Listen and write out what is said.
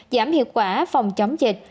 giảm hiệu quả phòng chống dịch